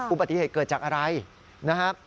อุบัติเหตุเกิดจากอะไรนะครับ